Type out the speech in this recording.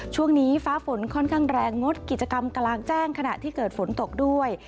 ช่วงนี้ฟ้าฝนค่อนข้างแรงงดกิจกรรมกลางแจ้งขณะที่เกิดฝนตกด้วย